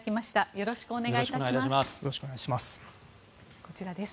よろしくお願いします。